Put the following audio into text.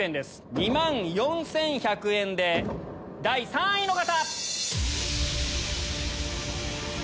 ２万４１００円で第３位の方！